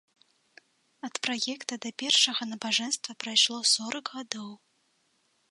Ад праекта да першага набажэнства прайшло сорак гадоў.